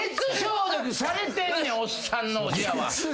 おっさんのおじやは。